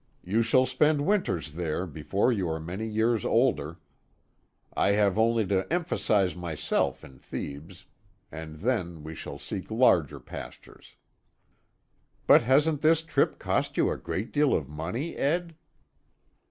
You shall spend winters there before you are many years older. I have only to emphasize myself in Thebes, and then we shall seek larger pastures." "But hasn't this trip cost you a great deal of money, Ed?"